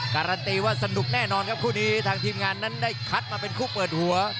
การันตีว่าสนุกแน่นอนครับคู่นี้ทางทีมงานนั้นได้คัดมาเป็นคู่เปิดหัว